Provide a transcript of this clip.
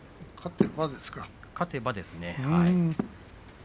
勝てばですね。